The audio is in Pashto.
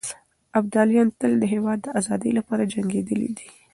ابداليان تل د هېواد د ازادۍ لپاره جنګېدلي دي.